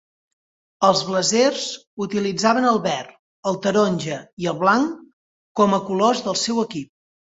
Els Blazers utilitzaven el verd, el taronja i el blanc com a colors del seu equip.